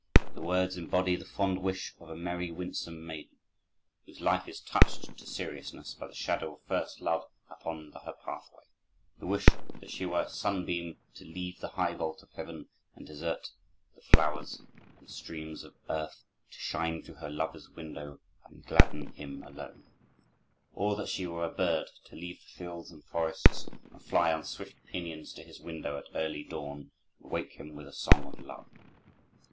The words embody the fond wish of a merry, winsome maiden, whose life is touched to seriousness by the shadow of first love upon her pathway, the wish that she were a sunbeam to leave the high vault of Heaven and desert the flowers and streams of earth to shine through her lover's window and gladden him alone; or that she were a bird to leave the fields and forests and fly on swift pinions to his window at early dawn and wake him with a song of love.